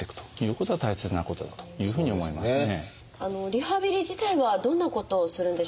リハビリ自体はどんなことをするんでしょうか？